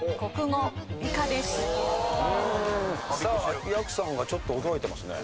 さあやくさんがちょっと驚いてますね。